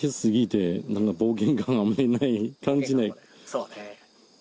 そうね。